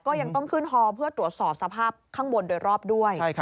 ยังต้องขึ้นฮอเพื่อตรวจสอบสภาพข้างบนโดยรอบด้วย